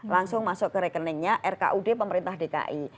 langsung masuk ke rekeningnya rkud pemerintah dki